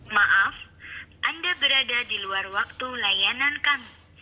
maaf anda berada di luar waktu layanan kami